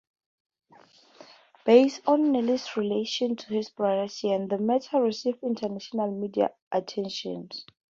Based on Neil's relation to his brother Sean, the matter received international media attention.